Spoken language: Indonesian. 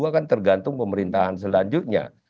akan tergantung pemerintahan selanjutnya